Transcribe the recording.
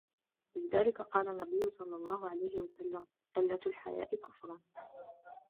وَلِذَلِكَ قَالَ النَّبِيُّ صَلَّى اللَّهُ عَلَيْهِ وَسَلَّمَ قِلَّةُ الْحَيَاءِ كُفْرٌ